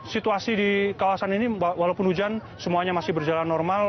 situasi di kawasan ini walaupun hujan semuanya masih berjalan normal